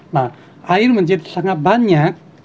nah air menjadi sangat banyak